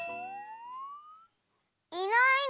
いないの？